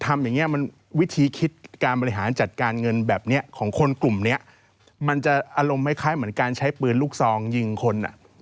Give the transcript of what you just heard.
มันคล้ายเหมือนการใช้ปืนลูกทรองยิงคน